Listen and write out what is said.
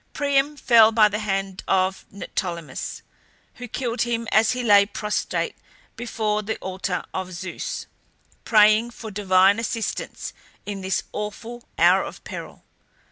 Priam fell by the hand of Neoptolemus, who killed him as he lay prostrate before the altar of Zeus, praying for divine assistance in this awful hour of peril.